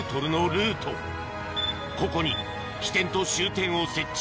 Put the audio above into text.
ここに起点と終点を設置